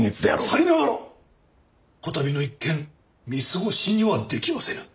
さりながら此度の一件見過ごしにはできませぬ。